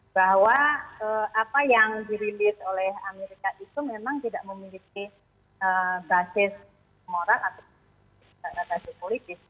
bahwa apa yang dirilis oleh amerika itu memang tidak memiliki basis moral atau basis politis